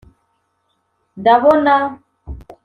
Ndabona